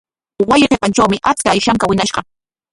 Wasi qipantrawmi achka ishanka wiñashqa.